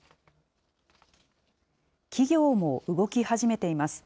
企業も動き始めています。